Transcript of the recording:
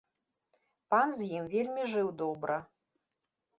Пан з ім вельмі жыў добра.